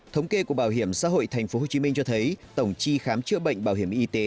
thống kê của bảo hiểm xã hội tp hcm cho thấy tổng chi khám chữa bệnh bảo hiểm y tế